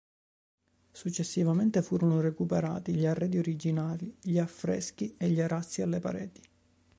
Successivamente furono recuperati gli arredi originali, gli affreschi e gli arazzi alle pareti.